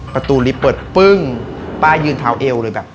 ประตูลิฟต์เปิดปึ้งป้ายืนเท้าเอวเลยแบบ